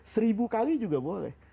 seribu kali juga boleh